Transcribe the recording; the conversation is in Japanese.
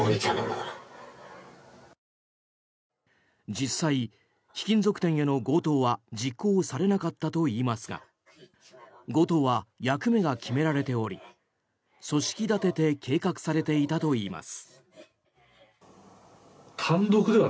実際、貴金属店への強盗は実行されなかったといいますが強盗は役目が決められており組織立てて計画されていたといいます。